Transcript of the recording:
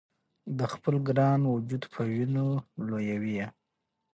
د خپل ګران وجود په وینو لویوي یې